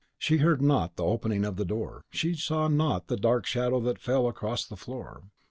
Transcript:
She heard not the opening of the door; she saw not the dark shadow that fell along the floor.